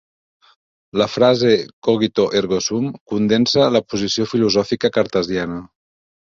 La frase "cogito ergo sum" condensa la posició filosòfica cartesiana.